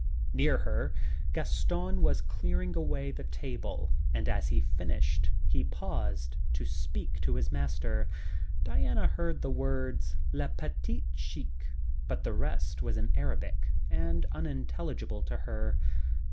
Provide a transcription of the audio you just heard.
Near her Gaston was clearing away the table and as he finished he paused to speak to his master. Diana heard the words "le petit Sheik," but the rest was in Arabic and unintelligible to her.